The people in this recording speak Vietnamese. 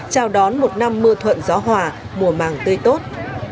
chào đón một năm mưa thuận gió hòa mùa màng tươi tốt